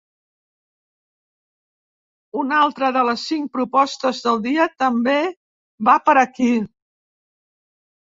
Una altra de les cinc propostes del dia també va per aquí.